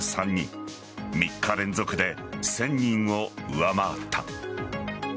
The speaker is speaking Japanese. ３日連続で１０００人を上回った。